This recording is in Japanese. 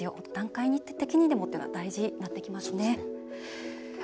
本当に段階的にでもということは大事になってきますね。